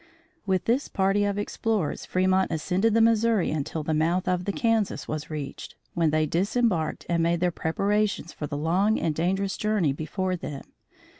With this party of explorers Fremont ascended the Missouri until the mouth of the Kansas was reached, when they disembarked and made their preparations for the long and dangerous journey before them.